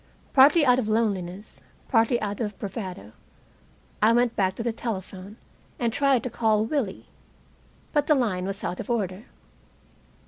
Partly out of loneliness, partly out of bravado, I went back to the telephone and tried to call Willie. But the line was out of order.